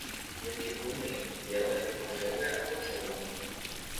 Кветкі буйныя, белыя, ружовыя або чырвоныя.